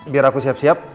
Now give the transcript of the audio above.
biar aku siap siap